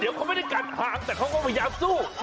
เดี๋ยวเขาไม่ได้กันทางแต่เขาก็พยายามสู้